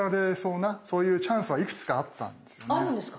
あるんですか？